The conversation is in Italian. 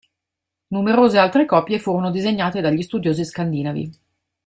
Numerose altre copie furono disegnate dagli studiosi scandinavi.